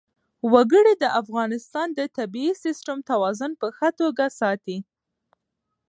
وګړي د افغانستان د طبعي سیسټم توازن په ښه توګه ساتي.